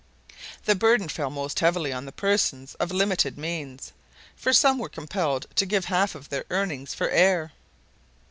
The burden fell most heavily on the persons of limited means, for some were compelled to give half of their earnings for air.